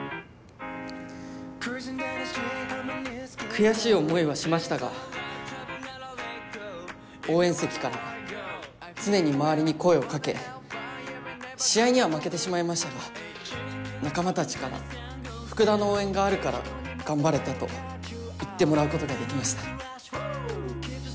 悔しい思いはしましたが応援席から常に周りに声をかけ試合には負けてしまいましたが仲間たちから福田の応援があるから頑張れたと言ってもらうことができました。